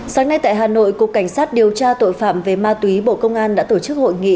sáng nay tại hà nội cục cảnh sát điều tra tội phạm về ma túy bộ công an đã tổ chức hội nghị